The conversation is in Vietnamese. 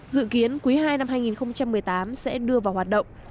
dự kiến cuối hai năm hai nghìn một mươi tám sẽ đưa vào hoạt động